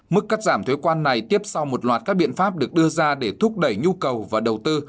mức cắt giảm thuế quan này tiếp sau một loạt các biện pháp được đưa ra để thúc đẩy nhu cầu và đầu tư